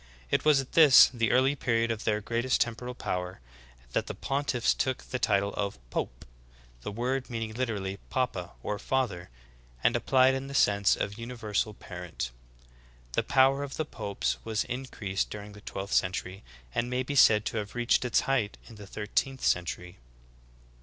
It was at this, the early period of their greatest temporal power, that the pontiffs took the title of Pope, the word meaning literally papa, or father, and applied in the sense of universal parent. The power of the popes was increased during the twelfth century, and may be said to have reached its height in the thirteenth century.